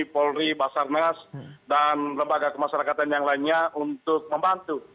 polri basarnas dan lembaga kemasyarakatan yang lainnya untuk membantu